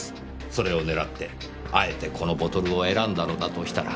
それを狙ってあえてこのボトルを選んだのだとしたら。